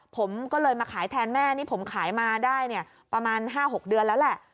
ผมก็เลยมาขายแทนแม่นี่ผมขายมาได้เนี่ยประมาณ๕๖เดือนแล้วแหละ